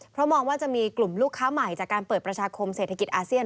เพราะมองว่าจะมีกลุ่มลูกค้าใหม่จากการเปิดประชาคมเศรษฐกิจอาเซียน